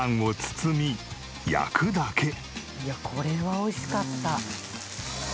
いやこれは美味しかった。